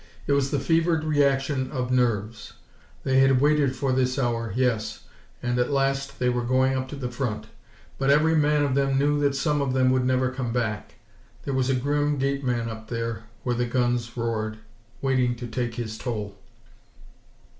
It was the fevered reaction of nerves! They had waited for this hour, yes, and at last they were going up to the front; but every man of them knew that some of them would never come back. There was a grim gateman up there where the guns roared, waiting to take his toll.